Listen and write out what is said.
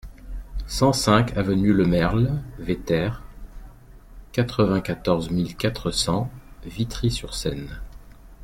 cent cinq avenue Lemerle Vetter, quatre-vingt-quatorze mille quatre cents Vitry-sur-Seine